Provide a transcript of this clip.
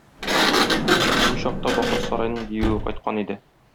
Бу чакта бакыр сарайның диюе кайткан иде.